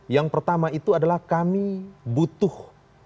yang pertama itu adalah kami butuh